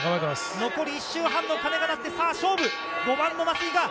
残り１周半の鐘が鳴って、さあ、勝負。